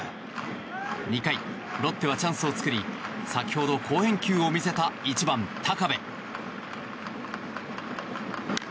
２回、ロッテはチャンスを作り先ほど好返球を見せた１番、高部。